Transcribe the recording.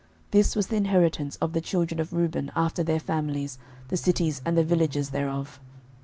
This was the inheritance of the children of Reuben after their families, the cities and the villages thereof.